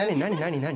何？